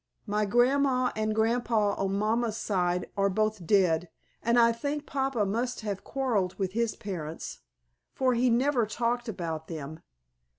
My grandma and grandpa on Mama's side are both dead, and I think Papa must have quarreled with his parents, for he never talked about them.